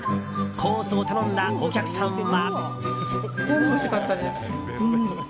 コースを頼んだお客さんは。